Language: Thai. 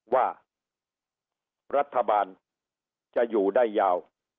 ว่ารัฐบาลจะอยู่ได้ยาว